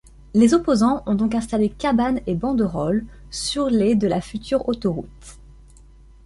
Les opposants ont donc installé cabanes et banderoles sur les de la future autoroute.